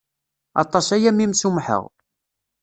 Aṭas-aya mi m-sumḥeɣ.